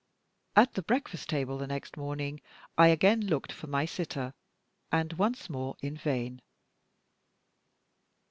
At the breakfast table the next morning, I again looked for my sitter, and once more in vain.